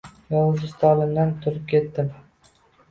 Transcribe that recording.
Yozuv stolimdan turib ketdim.